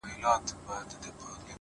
که ژوند راکوې!